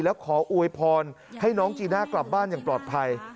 แล้วขออวยพรให้น้องจีน่ากลับบ้านอย่างปลอดภัย